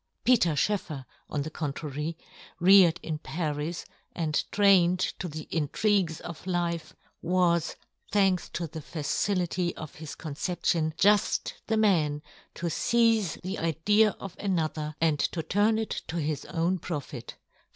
Peter Schoeffer, on 44 yohn Gutenberg. the contrary, reared in Paris, and trained to the intrigues of life, was, thanks to the faciUty of his conception, juft the man to feize the idea of ano ther, and to turn it to his own profit.